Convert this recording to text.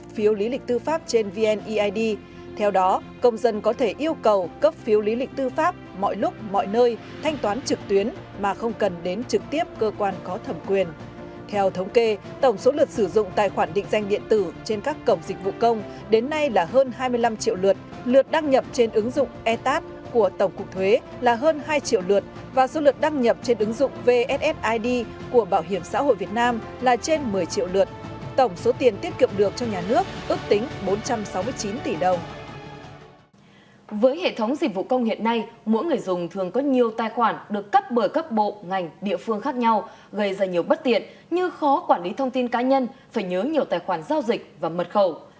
với hệ thống dịch vụ công hiện nay mỗi người dùng thường có nhiều tài khoản được cấp bởi các bộ ngành địa phương khác nhau gây ra nhiều bất tiện như khó quản lý thông tin cá nhân phải nhớ nhiều tài khoản giao dịch và mật khẩu